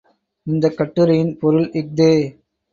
இந்தக் கட்டுரையின் பொருள் இஃதே!